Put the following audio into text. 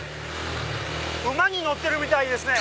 馬に乗ってるみたいですね。